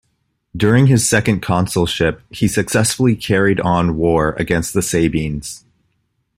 During his second consulship, he successfully carried on war against the Sabines.